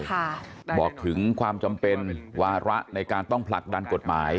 ค่ะบอกถึงความจำเป็นวาระในการต้องผลักดันกฎหมาย